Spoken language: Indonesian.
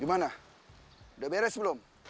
gimana udah meres belum